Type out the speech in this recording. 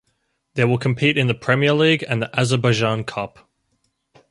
They will compete in the Premier League and the Azerbaijan Cup.